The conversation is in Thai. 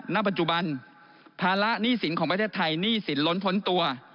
ณปัจจุบันภาระหนี้สินของประเทศไทยหนี้สินล้นพ้นตัว